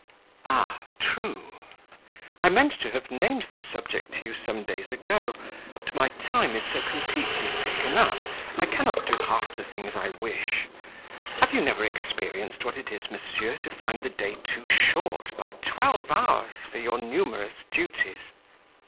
"Ah, true! I meant to have named the subject to you some days ago, but my time is so completely taken up, I cannot do half the things I wish: have you never experienced what it is, monsieur, to find the day too short by twelve hours for your numerous duties?"